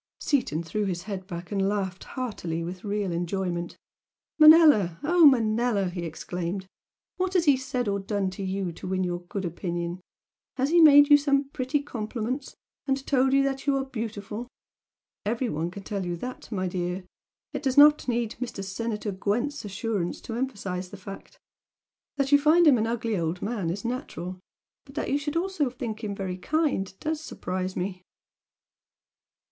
Seaton threw back his head and laughed heartily with real enjoyment. "Manella, oh, Manella!" he exclaimed "What has he said or done to you to win your good opinion? Has he made you some pretty compliments, and told you that you are beautiful? Every one can tell you that, my dear! It does not need Mr. Senator Gwent's assurance to emphasise the fact! That you find him an ugly old man is natural but that you should also think him 'very kind' DOES surprise me!"